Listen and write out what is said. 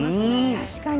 確かに。